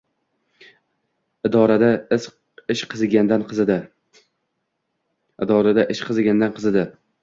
Idorada ish qizigandan-qizidi